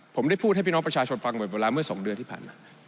ผมได้พูดให้พี่น้องประชาชนฟังบ่อยเวลาเมื่อ๒เดือนที่ผ่านมา